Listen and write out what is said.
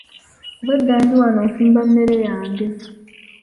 Obwedda ndi wano nfumba mmere yange.